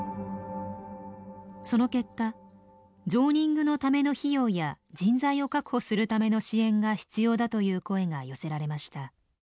その結果ゾーニングのための費用や人材を確保するための支援が必要だという声が寄せられました。